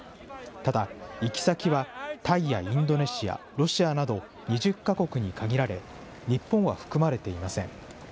ただ、行き先はタイやインドネシア、ロシアなど２０か国に限られ、日本は含まれていません。